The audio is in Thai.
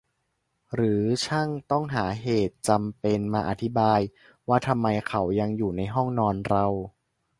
หรือช่างต้องหาเหตุจำเป็นมาอธิบายว่าทำไมเขายังอยู่ในห้องนอนเรา ?